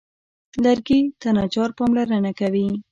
لرګي ته نجار پاملرنه کوي.